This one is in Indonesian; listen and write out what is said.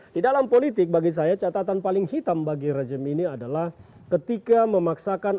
di dalam politik bagi saya catatan paling hitam bagi rezim ini adalah ketika memaksakan